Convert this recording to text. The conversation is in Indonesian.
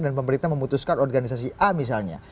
dan pemerintah memutuskan organisasi a misalnya